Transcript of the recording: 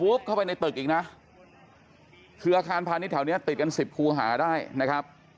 เข้าไปในตึกอีกนะคืออาคารพาณิชยแถวนี้ติดกันสิบคูหาได้นะครับ